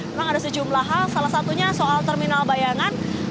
memang ada sejumlah hal salah satunya soal terminal bayangan